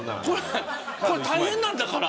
これ大変なんだから。